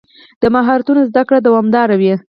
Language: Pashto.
د مهارتونو زده کړه دوامداره وي.